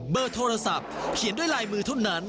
เบอร์โทรศัพท์เขียนด้วยลายมือเท่านั้น